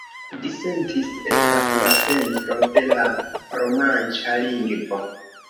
Disentis estas la centro de la romanĉa lingvo.